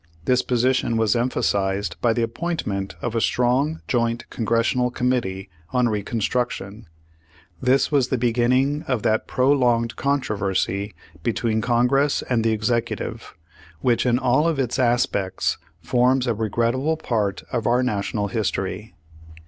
This position was emphasized by the appointment of a strong joint Congressional Committee on Re construction. This was the beginning of that prolonged controversy between Congress and the Executive, which in all of its aspects forms a regrettable part of our National history.